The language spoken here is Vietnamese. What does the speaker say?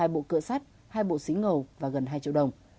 hai bộ cựa sắt hai bộ xí ngầu và gần hai triệu đồng